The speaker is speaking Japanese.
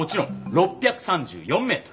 ６３４メートル。